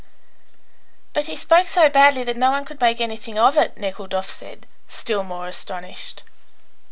"But he spoke so badly that no one could make anything of it," Nekhludoff said, still more astonished.